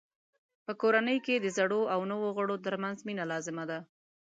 په کورنۍ کې د زړو او نویو غړو ترمنځ مینه لازمه ده.